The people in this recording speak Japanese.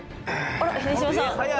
あら秀島さん。